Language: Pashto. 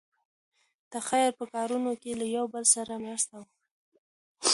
د خیر په کارونو کې یو له بل سره مرسته وکړئ.